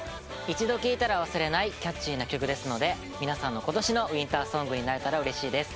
一度聴いたら忘れないキャッチーな曲ですので皆さんの今年のウインターソングになれたら嬉しいです